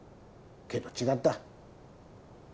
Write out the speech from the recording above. けど違った。